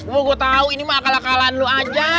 wah gue tahu ini mah kalah kalahan lo aja